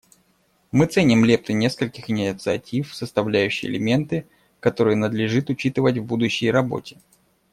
Мы ценим лепты нескольких инициатив, составляющие элементы, которые надлежит учитывать в будущей работе.